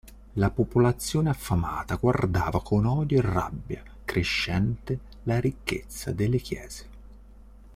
La popolazione affamata guardava con odio e rabbia crescente la ricchezza delle chiese.